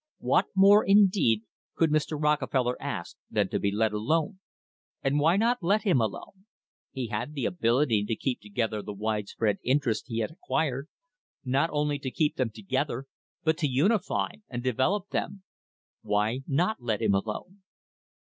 What more, indeed, could Mr. Rockefeller ask than to be let alone? And why not let him alone? He had the ability to keep together the wide spread interests he had acquired not only to keep them together, but to unify and develop them; why not let him alone?